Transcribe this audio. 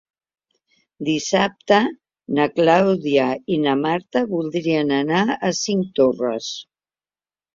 Dissabte na Clàudia i na Marta voldrien anar a Cinctorres.